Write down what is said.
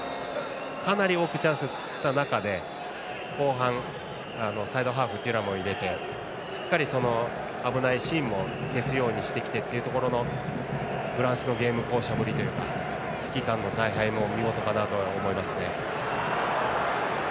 かなり多くチャンスを作った中で後半、サイドハーフのテュラムを入れてしっかり危ないシーンも消すようにしてきてというフランスのゲーム巧者ぶりというか指揮官の采配も見事かなと思います。